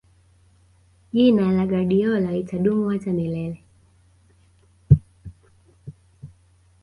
jina la guardiola litadumu hata milele